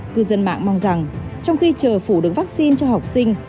cư dân mạng mong rằng trong khi chờ phủ được vaccine cho học sinh